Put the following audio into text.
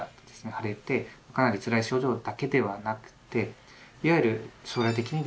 腫れてかなりつらい症状だけではなくていわゆる将来的にですね